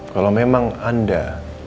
kalau memang anda